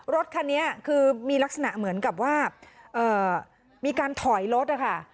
รถคันนี้เค้านี่มีลักษณะเหมือนกับว่าเอ่อมีการถอยลดนะคะ